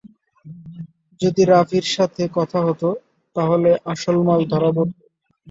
যদি রাভির সাথে কথা হতো, তাহলে আসল মাল ধরা পড়ত।